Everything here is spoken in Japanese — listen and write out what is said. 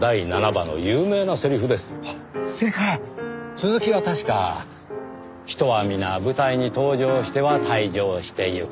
続きは確か「人はみな舞台に登場しては退場して行く」。